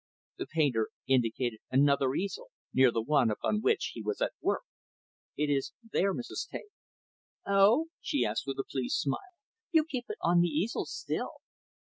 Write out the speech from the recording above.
The painter indicated another easel, near the one upon which he was at work, "It is there, Mrs. Taine." "Oh," she said with a pleased smile. "You keep it on the easel, still!"